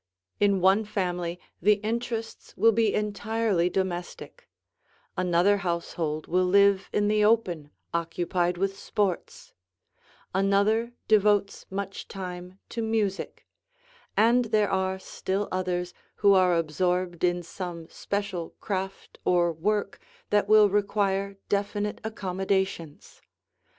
In one family, the interests will be entirely domestic; another household will live in the open, occupied with sports; another devotes much time to music; and there are still others who are absorbed in some special craft or work that will require definite accommodations.